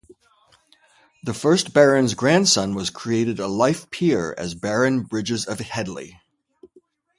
The first Baron's grandson was created a Life Peer as Baron Bridges of Headley.